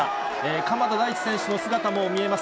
鎌田大地選手の姿も見えます。